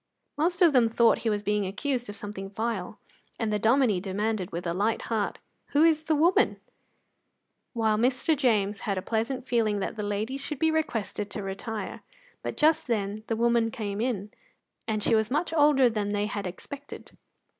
Most of them thought he was being accused of something vile, and the Dominie demanded, with a light heart, "Who is the woman?" while Mr. James had a pleasant feeling that the ladies should be requested to retire. But just then the woman came in, and she was much older than they had expected.